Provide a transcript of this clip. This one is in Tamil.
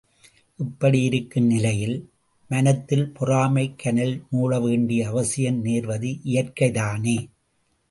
இப்படி இருக்கும் நிலையில் மனத்தில் பொறாமைக் கனல் மூளவேண்டிய அவசியம் நேர்வது இயற்கைதானே.